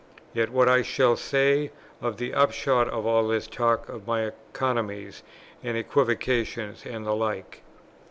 Yet what shall I say of the upshot of all his talk of my economies and equivocations and the like?